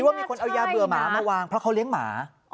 ว่ามีคนเอายาเบื่อหมามาวางเพราะเขาเลี้ยงหมา